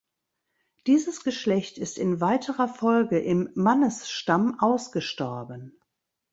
Dieses Geschlecht ist in weiterer Folge im Mannesstamm ausgestorben.